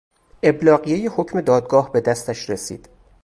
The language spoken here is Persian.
ابلاغیهٔ حکم دادگاه به دستش رسید